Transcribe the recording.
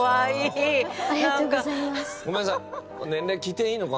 ごめんなさい。